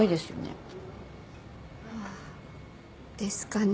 ああですかね。